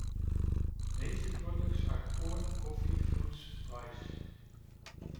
Major products are corn, coffee, fruits, rice.